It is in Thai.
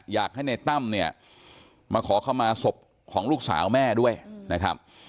อยากให้ในตั้มเนี่ยมาขอเข้ามาศพของลูกสาวแม่ด้วยนะครับ